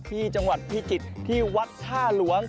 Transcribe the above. ที่จังหวัดพิจิตรที่วัดท่าหลวง